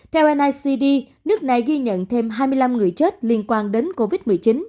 theo micd nước này ghi nhận thêm hai mươi năm người chết liên quan đến covid một mươi chín